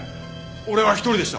俺は１人でした！